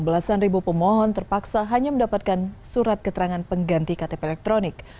belasan ribu pemohon terpaksa hanya mendapatkan surat keterangan pengganti ktp elektronik